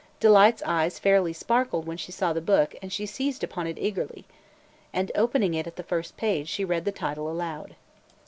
Delight's eyes fairly sparkled when she saw the book and she seized upon it eagerly. And opening it at the first page, she read the title aloud.